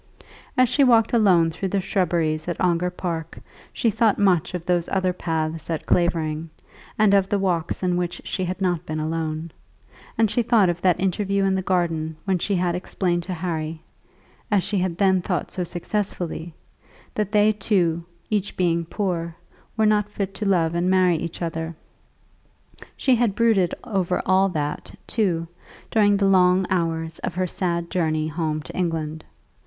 As she walked alone through the shrubberies at Ongar Park she thought much of those other paths at Clavering, and of the walks in which she had not been alone; and she thought of that interview in the garden when she had explained to Harry, as she had then thought so successfully, that they two, each being poor, were not fit to love and marry each other. She had brooded over all that, too, during the long hours of her sad journey home to England.